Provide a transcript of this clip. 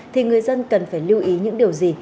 thì người dân cần phải lưu ý những điều gì